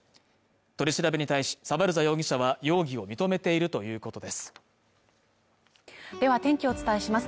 取り調べに対しサバルサ容疑者は容疑を認めているということですでは天気をお伝えします